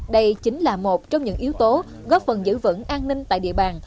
đây chính là một trong những yếu tố góp phần giữ vững an ninh tại địa bàn